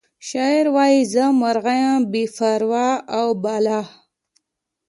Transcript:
شاعر وایی زه مرغه یم بې پر او باله